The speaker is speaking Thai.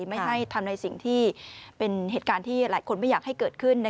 ไม่ให้ทำในสิ่งที่เป็นเหตุการณ์ที่หลายคนไม่อยากให้เกิดขึ้น